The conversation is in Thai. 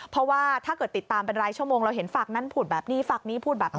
เพราะว่าถ้าเกิดติดตามเป็นรายชั่วโมงเราเห็นฝักนั้นพูดแบบนี้ฝากนี้พูดแบบนี้